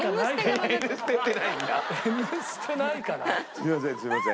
すみませんすみません。